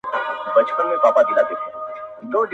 ورته مخ د بې بختۍ سي د خواریو٫